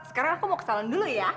sekarang aku mau ke salon dulu ya